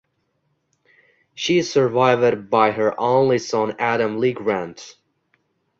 She is survived by her only son Adam LeGrant.